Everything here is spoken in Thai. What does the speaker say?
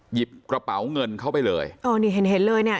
หยิบกระเป๋าเงินเข้าไปเลยอ๋อนี่เห็นเห็นเลยเนี่ย